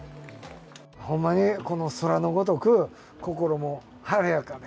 ほんまにこの空のごとく、心も晴れやかで。